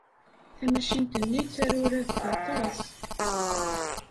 Tamacint-nni d taruradt aṭas.